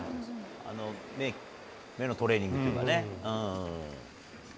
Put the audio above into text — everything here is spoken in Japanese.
目のトレーニングというかね。